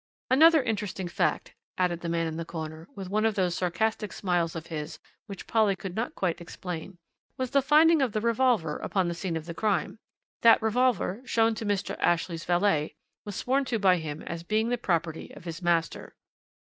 "Another interesting fact," added the man in the corner, with one of those sarcastic smiles of his which Polly could not quite explain, "was the finding of the revolver upon the scene of the crime. That revolver, shown to Mr. Ashley's valet, was sworn to by him as being the property of his master.